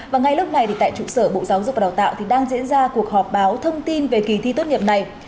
và ngay lúc này tại trụ sở bộ giáo dục và đào tạo thì đang diễn ra cuộc họp báo thông tin về kỳ thi tốt nghiệp này